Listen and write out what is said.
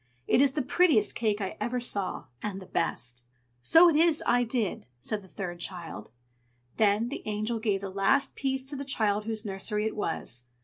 It is the prettiest cake I ever saw, and the best." "So it is I did!" said the third child. Then the Angel gave the last piece to the child whose nursery it was.